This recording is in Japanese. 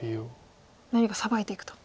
何かサバいていくと。